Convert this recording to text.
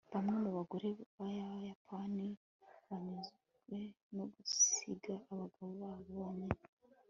bamwe mu bagore b'abayapani banyuzwe no gusiga abagabo babo bonyine